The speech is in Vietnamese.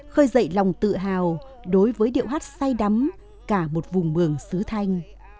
khơi dậy lòng tự hào đối với điệu hát say đắm cả một vùng mường sứ thanh